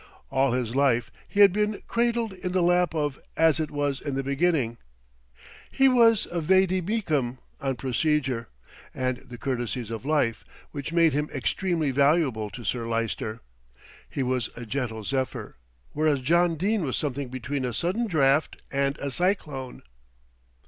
All his life he had been cradled in the lap of "as it was in the beginning." He was a vade mecum on procedure and the courtesies of life, which made him extremely valuable to Sir Lyster. He was a gentle zephyr, whereas John Dene was something between a sudden draught and a cyclone.